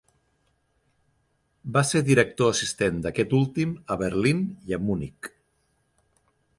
Va ser director assistent d'aquest últim a Berlín i a Munic.